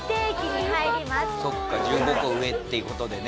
そっか１５個上っていう事でね。